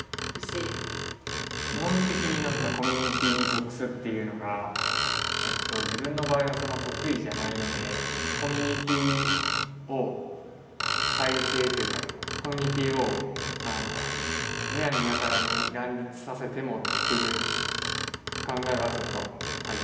基本的になんかコミュニティーに属すっていうのが自分の場合は得意じゃないのでコミュニティーを再生というかコミュニティーをむやみやたらに乱立させてもっていう考えはちょっとあります。